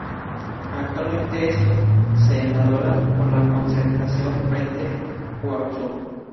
Actualmente es Senadora por la Concertación Frente Guasú.